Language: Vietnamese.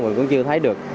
mình cũng chưa thấy được